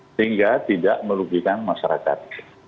sehingga tidak merugikan masyarakat